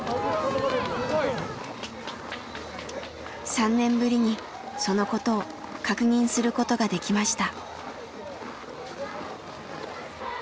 ３年ぶりにそのことを確認することができました。